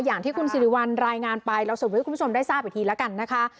อย่างที่คุณสิริวัลรายงานไปเราสรุปให้คุณผู้ชมได้ทราบอีกทีแล้วกันนะคะ